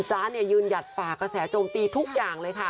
จ๊ายืนหยัดป่ากระแสจมตีทุกอย่างเลยค่ะ